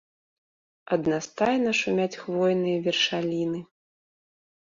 Аднастайна шумяць хвойныя вершаліны.